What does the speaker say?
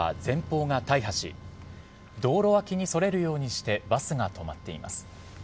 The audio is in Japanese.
黒い軽自動車は前方が大破し、道路脇にそれるようにしてバスが止まっています。